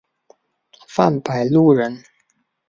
范百禄人。